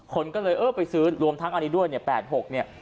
คนก็เลยไปซื้อรวมทั้งอันนี้ด้วย๘๖เนี่ย